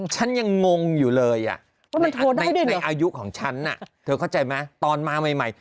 ฉันยังงงอยู่เลยในอายุของฉันเธอเข้าใจไหมตอนมาใหม่